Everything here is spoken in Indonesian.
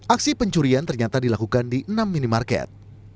aksi pencurian ternyata dilakukan di enam minimarket